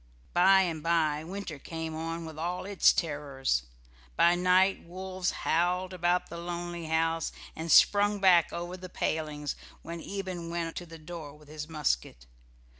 By and by winter came on with all its terrors. By night wolves howled about the lonely house, and sprung back over the palings when Eben went to the door with his musket.